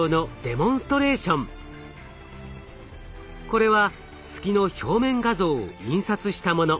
これは月の表面画像を印刷したもの。